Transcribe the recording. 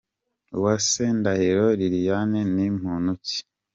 Uwase Ndahiro Liliane ni muntu ki?.